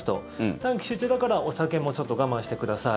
短期集中だからお酒も我慢してください